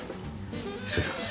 失礼します。